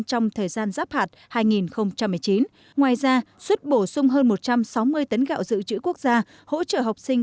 trong thời gian giáp hạt hai nghìn một mươi chín ngoài ra xuất bổ sung hơn một trăm sáu mươi tấn gạo dự trữ quốc gia hỗ trợ học sinh